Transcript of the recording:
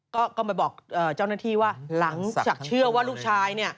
ก็มาบอกเจ้าหน้าที่ว่าหลังจากเชื่อว่าลูกชายเนี่ย